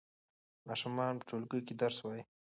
ماشومان په ټولګي کې درس وايي.